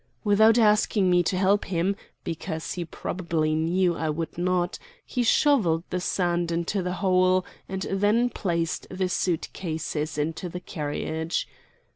Without asking me to help him, because he probably knew I would not, he shovelled the sand into the hole, and then placed the suitcases in the carriage.